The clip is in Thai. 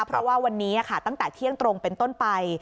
เพราะว่าวันนี้ตั้งแต่เที่ยงตรงเป็นต้นไป